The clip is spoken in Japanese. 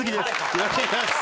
よろしくお願いします。